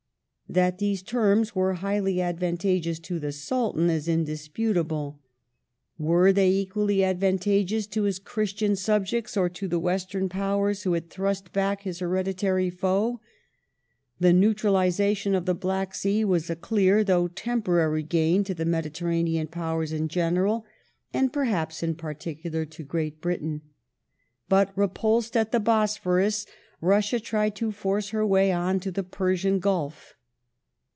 That these terms were highly advantageous to the Sultan is indisputable. Were they equally advantageous to his Chris tian subjects, or to the Western Powers who had thrust back his hereditary foe ? The neutralization of the Black Sea was a clear, though temporary, gain to the Mediterranean Powers in general and, perhaps in particular, to Great Britain. But, repulsed at the Bosphorus, Russia tried to force her way on to the Pei sian Gulf.